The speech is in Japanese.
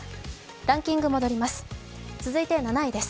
ランキングに戻ります。